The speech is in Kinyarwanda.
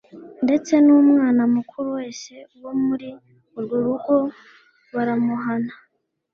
Ndetse n’umwana mukuru wese wo muri urwo rugo baramuhana